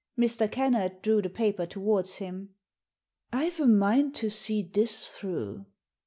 Mr. Kennard drew the paper towards him. " I've a mind to see this through."